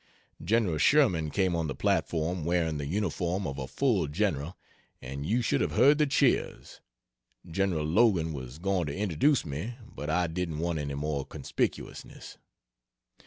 General Sherman came on the platform wearing the uniform of a full General, and you should have heard the cheers. Gen. Logan was going to introduce me, but I didn't want any more conspicuousness.